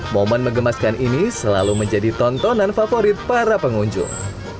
momen mengemaskan ini selalu menjadi tontonan favorit para pengunjung